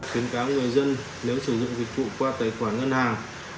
khuyến cáo người dân nếu sử dụng dịch vụ qua tài khoản ngân hàng